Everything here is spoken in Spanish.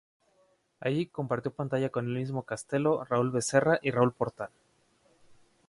Allí, compartió pantalla con el mismo Castelo, Raúl Becerra y Raúl Portal.